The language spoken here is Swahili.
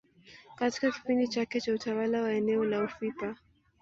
Katika kipindi chake cha utawala wa eneo la ufipa